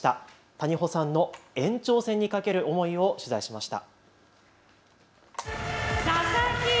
谷保さんの延長戦にかける思いを取材しました。